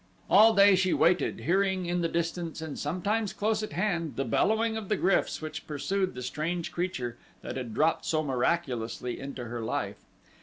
All day she waited, hearing in the distance, and sometimes close at hand, the bellowing of the gryfs which pursued the strange creature that had dropped so miraculously into her life.